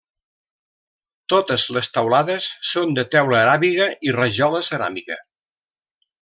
Totes les taulades són de teula aràbiga i rajola ceràmica.